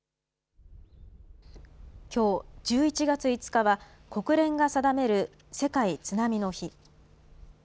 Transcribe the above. きょう１１月５日は、国連が定める世界津波の日。